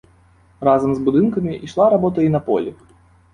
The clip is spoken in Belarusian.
Разам з будынкамі ішла работа і на полі.